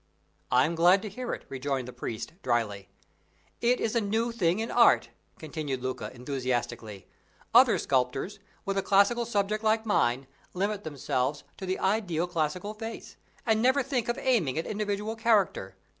"I am glad to hear it," rejoined the priest, dryly. "It is a new thing in art," continued Luca, enthusiastically. "Other sculptors, with a classical subject like mine, limit themselves to the ideal classical face, and never think of aiming at individual character.